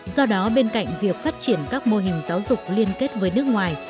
do đó bên cạnh việc phát triển các mô hình giáo dục liên kết với nước ngoài